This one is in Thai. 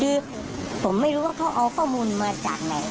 คือผมไม่รู้ว่าเขาเอาข้อมูลมาจากไหน